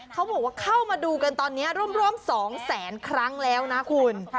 เขาบอกว่าเข้ามาดูกันตอนนี้ร่วม๒แสนครั้งแล้วนะคุณ